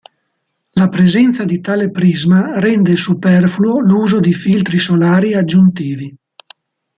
La presenza di tale prisma rende superfluo l'uso di filtri solari aggiuntivi.